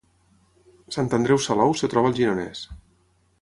Sant Andreu Salou es troba al Gironès